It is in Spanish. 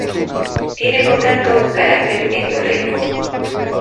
Tiene por tanto un carácter endorreico.